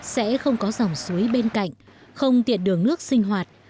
sẽ không có dòng suối bên cạnh không tiện đường nước sinh hoạt